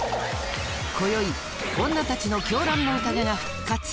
今宵女たちの狂乱の宴が復活！